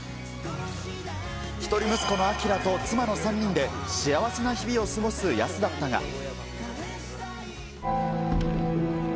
一人息子のアキラと妻の３人で、幸せな日々を過ごすヤスだったが。